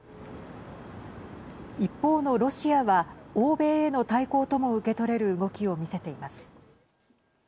一方のロシアは欧米への対抗とも受け取れる動きを見せています。